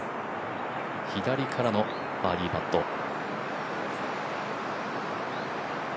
左からのバーディーパット。